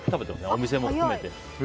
お店も含めて。